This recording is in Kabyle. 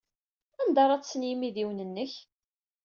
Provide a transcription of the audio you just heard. Anda ara ḍḍsen yimidiwen-nnek?